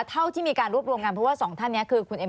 เท่าที่มีการรวบรวมกันเพราะว่าสองท่านนี้คือคุณเอ็ม